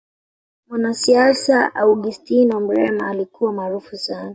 mwanasiasa augustino mrema alikuwa maarufu sana